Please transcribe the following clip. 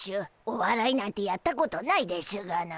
おわらいなんてやったことないでしゅがな。